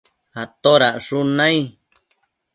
atodacshun nai?